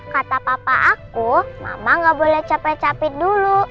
kata papa aku mama gak boleh capek capek dulu